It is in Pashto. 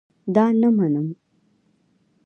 دا نه منم